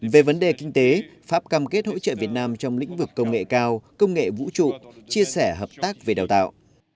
về vấn đề kinh tế pháp cam kết hỗ trợ việt nam trong lĩnh vực công nghệ cao công nghệ vũ trụ chia sẻ hợp tác về đào tạo